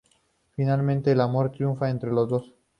Finalmente el amor triunfa entre los dos.